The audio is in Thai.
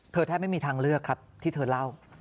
แทบไม่มีทางเลือกครับที่เธอเล่า